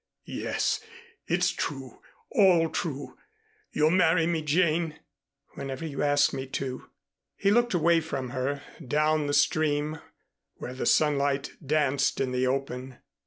"Yes, it's true, all true. You'll marry me, Jane?" "Whenever you ask me to." He looked away from her down the stream where the sunlight danced in the open.